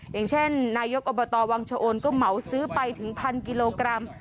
อย่างเช่นนายกอบตวังชะโอนก็เหมาซื้อไปถึงพันกิโลกรัม